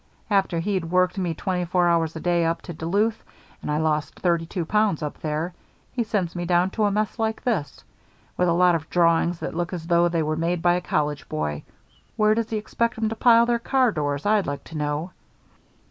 After he'd worked me twenty four hours a day up to Duluth, and I lost thirty two pounds up there, he sends me down to a mess like this. With a lot of drawings that look as though they were made by a college boy. Where does he expect 'em to pile their car doors, I'd like to know."